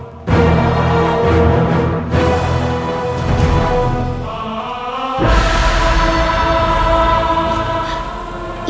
ibu nda tunggu